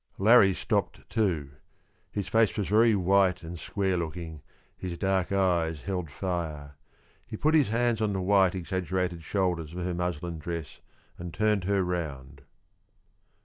Larrie stopped too. His face was very white and square looking, his dark eyes held fire. He put his hands on the white, exaggerated shoulders of her muslin dress and turned her round.